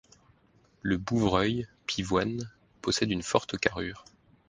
Le Bouvreuil pivoine possède une forte carrure.